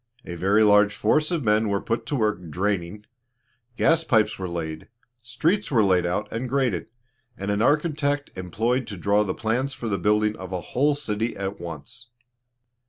A very large force of men were put to work draining; gas pipes were laid; streets were laid out and graded, and an architect employed to draw the plans for the building of a whole city at once.